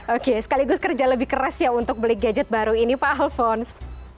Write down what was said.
oke sekaligus kerja lebih keras ya untuk beli gadget baru ini pak alfons